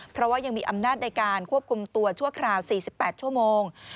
เพราะว่ายังมีอำนาจในการควบคุมตัวชั่วคราว๔๘ชั่วโมง